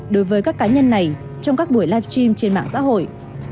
đối với các cá nhân này trong các buổi live stream trên mạng xã hội